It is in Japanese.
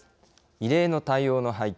異例の対応の背景